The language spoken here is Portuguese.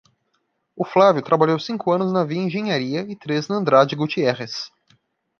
O Flávio trabalhou cinco anos na Via Engenharia e três na Andrade Gutierrez.